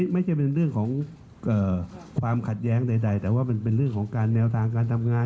ไม่ใช่เป็นเรื่องของความขัดแย้งใดแต่ว่ามันเป็นเรื่องของการแนวทางการทำงาน